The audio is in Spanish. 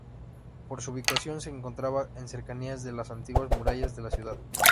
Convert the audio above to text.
Por su ubicación se encontraba en cercanías de las antiguas murallas de la ciudad.